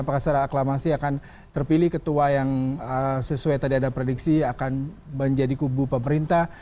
apakah secara aklamasi akan terpilih ketua yang sesuai tadi ada prediksi akan menjadi kubu pemerintah